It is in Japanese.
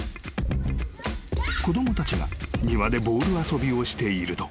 ［子供たちが庭でボール遊びをしていると］